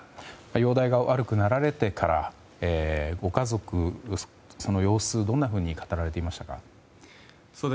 容体が悪くなられてからご家族、その様子をどんなふうに語っていましたか？